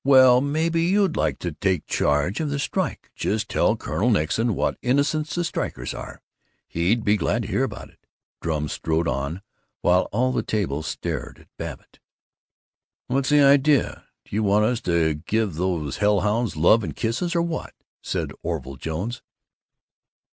Well, maybe you'd like to take charge of the strike! Just tell Colonel Nixon what innocents the strikers are! He'd be glad to hear about it!" Drum strode on, while all the table stared at Babbitt. "What's the idea? Do you want us to give those hell hounds love and kisses, or what?" said Orville Jones.